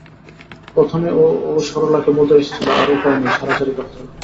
প্রথমে ও সরলাকে বলতে এসেছিল–আর উপায় নেই, ছাড়াছাড়ি করতে হবে।